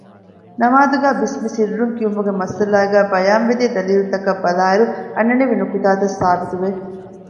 ނަމާދުގައި ބިސްމި ސިއްރުން ކިއުމުގެ މައްސަލާގައި ބަޔާންވެދިޔަ ދަލީލުތަކަށް ބަލާއިރު އަންނަނިވި ނުކުތާތައް ސާބިތުވެ